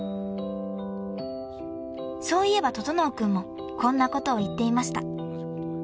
［そういえば整君もこんなことを言っていました］